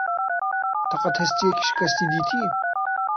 Te qet hestiyekî şikesti dîtiyî?